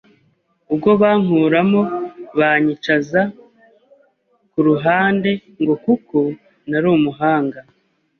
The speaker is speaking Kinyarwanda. ubwo bankuramo banyicaza ku ruhande ngo kuko nari umuhanga